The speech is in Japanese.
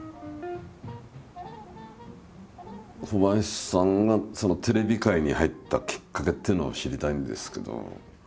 小林さんがテレビ界に入ったきっかけっていうのを知りたいんですけど。